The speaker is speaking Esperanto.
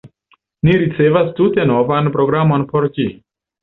Ni ricevas tute novan programon por ĝi.